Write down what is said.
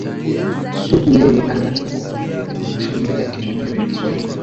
Sugu yeye alianza kwa kuandika mashairi yake mwenyewe ya kiswahili